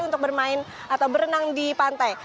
untuk bermain atau berenang di pantai